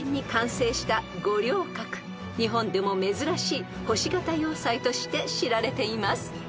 ［日本でも珍しい星形要塞として知られています］